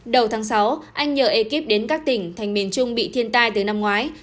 đầu tháng sáu anh nhờ ekip đến các tỉnh thành miền trung bị thiên tai từ năm ngoái